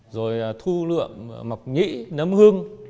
rồi thu lượm mọc nhĩ nấm hương